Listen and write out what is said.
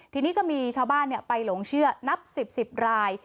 ทีนี้ก็มีชาวบ้านเนี่ยไปลงเชื่อนับสิบสิบราย